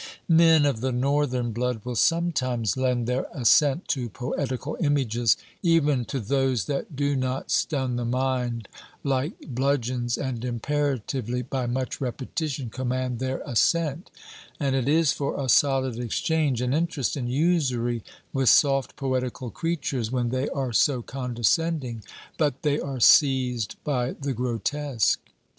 Men of the northern blood will sometimes lend their assent to poetical images, even to those that do not stun the mind lie bludgeons and imperatively, by much repetition, command their assent; and it is for a solid exchange and interest in usury with soft poetical creatures when they are so condescending; but they are seized by the grotesque.